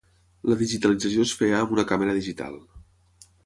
La digitalització es feia amb una càmera digital.